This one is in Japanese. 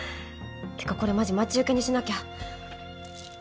ってかこれマジ待ち受けにしなきゃ。